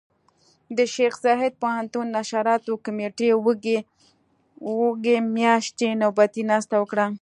د شيخ زايد پوهنتون نشراتو کمېټې وږي مياشتې نوبتي ناسته وکړه.